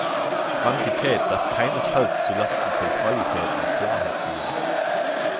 Quantität darf keinesfalls zulasten von Qualität und Klarheit gehen.